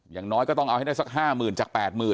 อย่างน้อยก็ต้องเอาให้ได้สัก๕๐๐๐จาก๘๐๐๐